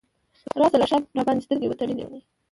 راشه له شاه راباندې سترګې وتړه لیونۍ !